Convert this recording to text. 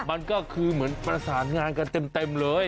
มันก็คือเหมือนประสานงานกันเต็มเลย